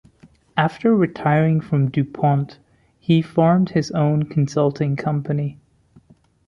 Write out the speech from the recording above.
After retiring from DuPont, he formed his own consulting company.